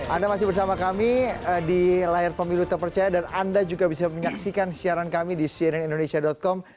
anda masih bersama kami di layar pemilu terpercaya dan anda juga bisa menyaksikan siaran kami di cnnindonesia com